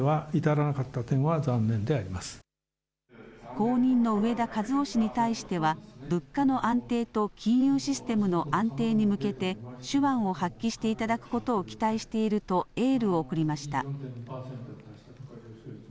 後任の植田和男氏に対しては、物価の安定と金融システムの安定に向けて手腕を発揮していただくことを期待しているとエールを送りました。